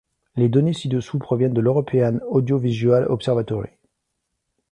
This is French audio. Les données ci-dessous proviennent de l'European Audiovisual Observatory.